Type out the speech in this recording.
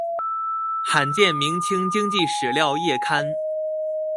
稀見明清經濟史料叢刊